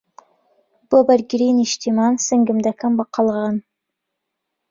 بۆ بەرگریی نیشتمان، سنگم دەکەم بە قەڵغان